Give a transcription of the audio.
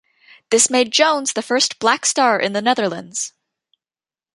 This made Jones the first black star in the Netherlands.